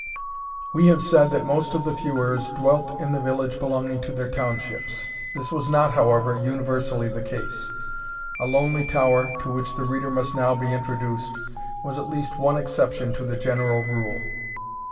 We have said, that most of the feuars dwelt in the village belonging to their townships. This was not, however, universally the case. A lonely tower, to which the reader must now be introduced, was at least one exception to the general rule.